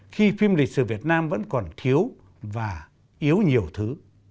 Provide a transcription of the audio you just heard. khi phim lịch sử việt nam vẫn còn thiếu và yếu nhiều thứ